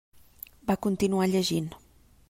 Va continuar llegint.